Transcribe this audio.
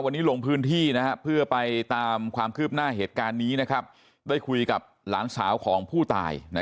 วันนี้ลงพื้นที่เพื่อไปตามความคืบหน้าเหตุการณ์นี้ได้คุยกับหลานสาวของผู้ตาย